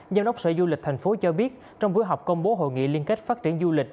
giám đốc sở du lịch thành phố cho biết trong buổi họp công bố hội nghị liên kết phát triển du lịch